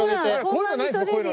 こういうのないですか？